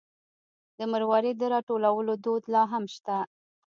د مروارید د راټولولو دود لا هم شته.